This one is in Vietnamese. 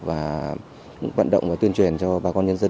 và vận động và tuyên truyền cho bà con nhân dân